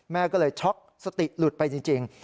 แม่ก็เลยช็อกสติหลุดไปจริง